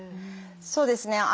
そうですね。